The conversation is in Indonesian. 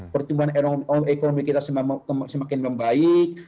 pertumbuhan ekonomi kita semakin membaik